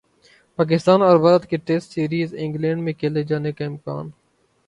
پاکستان اور بھارت کی test series England میں کھیلے جانے کا امکان